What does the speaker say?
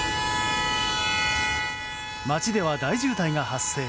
街では大渋滞が発生。